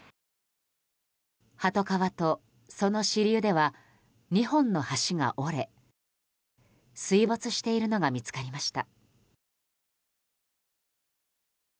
鳩川とその支流では２本の橋が折れ水没しているのが見つかりました。